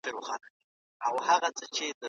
پوهه د انسان د ذهن د روښانولو وسيله ده.